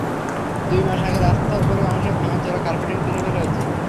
দুই মাস আগে রাস্তার ওপরের অংশের ভাঙাচোরা কার্পেটিং তুলে ফেলা হয়েছে।